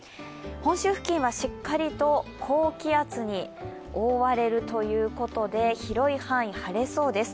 本州付近はしっかりと高気圧に覆われるということで、広い範囲、晴れそうです。